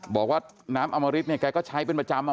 บอกว่าน้ำอมริตเนี่ยแกก็ใช้เป็นประจำอ่ะ